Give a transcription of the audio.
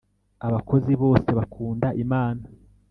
abakozi bose bakunda imana.